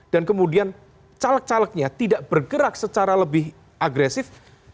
dan kemudian caleg calegnya tidak bergerak secara lebih agresif